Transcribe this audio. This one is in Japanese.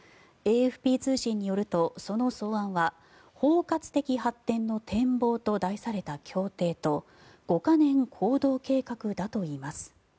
ＡＦＰ通信によるとその草案は「包括的発展の展望」と題された協定と五カ年行動計画だといいます。